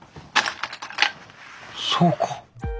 そうか。